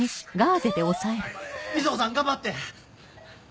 水帆さん頑張って！